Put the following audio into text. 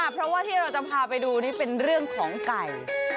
เพราะว่าที่เราจะพาไปดูนี่เป็นเรื่องของไก่